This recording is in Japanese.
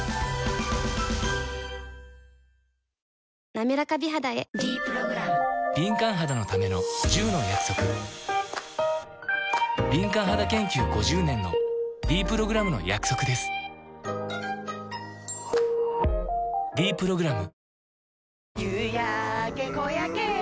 なめらか美肌へ「ｄプログラム」敏感肌研究５０年のｄプログラムの約束です「ｄプログラム」